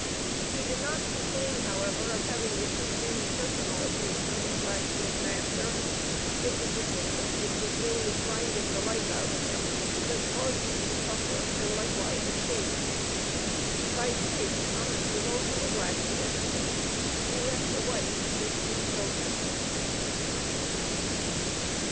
He did not complain, however, of having received any personal abuse from his blacksmith master. It was the system which was daily grinding the life out of him, that caused him to suffer, and likewise escape. By trade Thomas was also a blacksmith. He left a wife and three children.